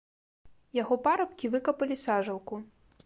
Яго парабкі выкапалі сажалку.